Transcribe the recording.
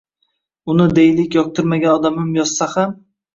Uni, deylik, yoqtirmagan odamim yozsa ham.